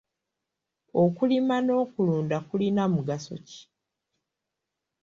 Okulima n'okulunda kulina mugaso ki?